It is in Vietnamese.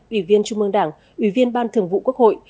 ủy viên trung mương đảng ủy viên ban thường vụ quốc hội